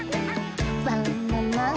バ・ナ・ナン！